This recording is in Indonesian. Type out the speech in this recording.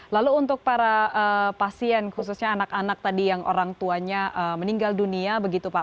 lalu untuk para pasien khususnya anak anak tadi yang orang tuanya meninggal dunia begitu pak